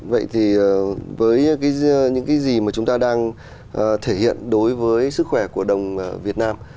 vậy thì với những cái gì mà chúng ta đang thể hiện đối với sức khỏe của đồng việt nam